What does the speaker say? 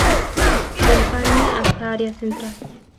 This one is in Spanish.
Empalme hasta Área Central.